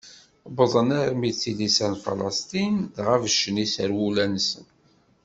Wwḍen armi d tilisa n Falesṭin dɣa beccen iserwula-nsen.